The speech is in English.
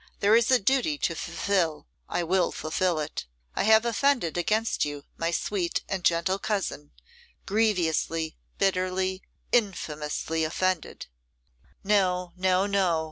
There is a duty to fulfil; I will fulfil it. I have offended against you, my sweet and gentle cousin; grievously, bitterly, infamously offended.' 'No, no, no!